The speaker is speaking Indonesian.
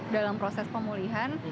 dalam proses pemulihan